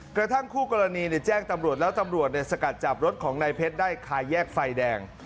กระทั่งคู่กรณีแจ้งตำรวจแล้วตำรวจสกัดจับรถของนายเพชรได้คาแยกไฟแดง